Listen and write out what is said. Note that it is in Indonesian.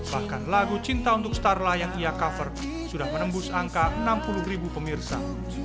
bahkan lagu cinta untuk starla yang ia cover sudah menembus angka enam puluh ribu pemirsa